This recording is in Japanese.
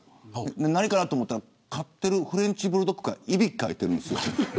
何かなと思ったら飼っているフレンチブルドッグがいびきかいてるんです。